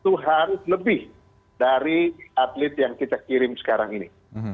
tuhan lebih dari atlet yang kita kirim sekarang ini